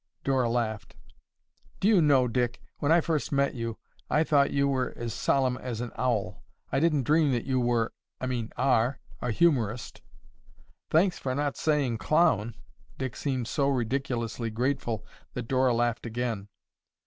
Dora laughed. "Do you know, Dick, when I first met you, I thought you were as solemn as an owl. I didn't dream that you were, I mean, are a humorist." "Thanks for not saying clown." Dick seemed so ridiculously grateful that Dora laughed again.